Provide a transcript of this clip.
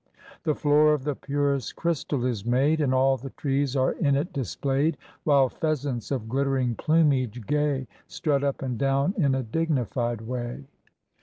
The floor of the purest crystal is made. And all the trees are in it displayed. While pheasants of ghttering plumage gay Strut up and down in a dignified way.